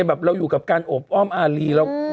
แบบเราอยู่กับการโอบอ้อมอารี